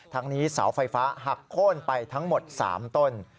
ทั้งนี้เสาไฟฟ้าหักโค้นไปทั้งหมด๓ต้น